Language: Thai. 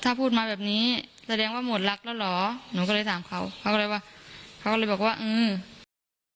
ถ้าพูดมาแบบนี้แสดงว่าหมดรักแล้วเหรอหนูก็เลยถามเขาเขาก็เลยว่าเขาก็เลยบอกว่าเออ